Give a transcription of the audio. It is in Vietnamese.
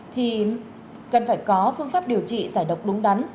thì cần phải có phương pháp điều trị giải độc đúng đắn